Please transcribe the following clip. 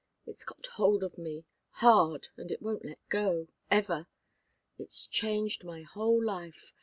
It's got hold of me hard, and it won't let go ever! It's changed my whole life.